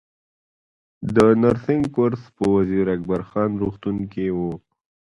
د نرسنګ کورس په وزیر اکبر خان روغتون کې و